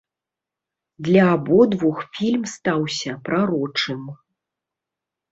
Для абодвух фільм стаўся прарочым.